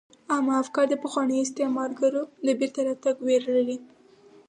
عامه افکار د پخوانیو استعمارګرو د بیرته راتګ ویره لري